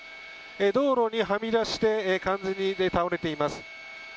道路にはみ出して完全に倒れています。